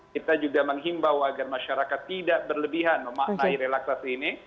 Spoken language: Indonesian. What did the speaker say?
kita juga menghimbau agar masyarakat tidak berlebihan memaknai relaksasi ini